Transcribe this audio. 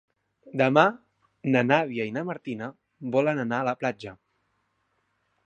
Demà na Nàdia i na Martina volen anar a la platja.